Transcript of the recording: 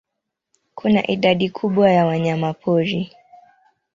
Kuna idadi kubwa ya wanyamapori.